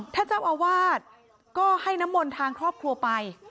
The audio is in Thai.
เจ้าอาวาสก็ให้น้ำมนต์ทางครอบครัวไป